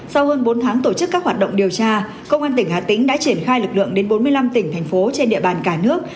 sau hơn bốn tháng tổ chức các hoạt động điều tra công an tỉnh hà tĩnh đã triển khai lực lượng đến bốn mươi năm tỉnh thành phố trên địa bàn cả nước